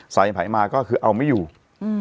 สายใหม่มาก็คือเอาไม่อยู่อืม